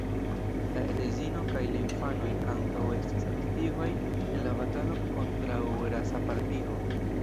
La edzino kaj la infanoj ankaŭ estis aktivaj en la batalo kontraŭ ras-apartigo.